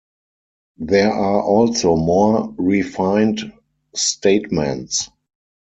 There are also more refined statements.